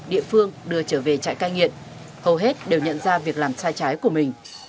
địa phương đưa trở về trại cai nghiện hầu hết đều nhận ra việc làm sai trái của mình